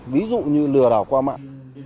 ví dụ như lừa đảo qua mạng